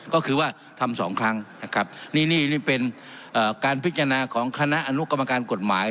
ก็คือว่าทำสองครั้งนะครับนี่นี่เป็นการพิจารณาของคณะอนุกรรมการกฎหมาย